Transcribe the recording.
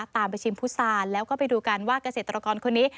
ตามไปชิมพุษาแล้วก็ไปดูกันว่าเกษตรกรคนนี้